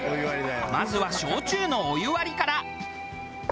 まずは焼酎のお湯割りから。